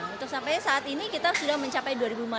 untuk sampai saat ini kita sudah mencapai dua lima ratus